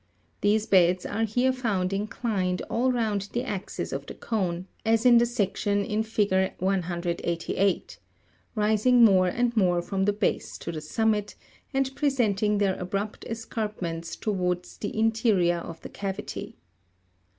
These beds are here found inclined all round the axis of the cone, as in the section (fig. 188), rising more and more from the base to the summit, and presenting their abrupt escarp ment " T 1 * the interior of the cavity.